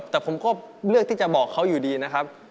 แต่ผมก็เลือกที่จะบอกเขาอยู่ดีนะครับ